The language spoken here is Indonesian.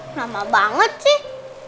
lama banget sih